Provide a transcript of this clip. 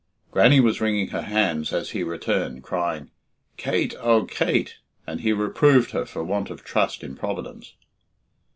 Grannie was wringing her hands as he returned, crying "Kate! Oh, Kate!" and he reproved her for want of trust in Providence.